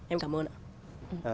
em cảm ơn ạ